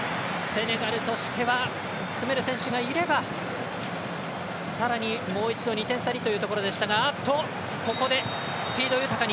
セネガルとしては詰める選手がいればさらにもう一度２点差にということでしたが。